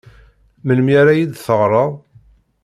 Melmi ara iyi-d-teɣreḍ?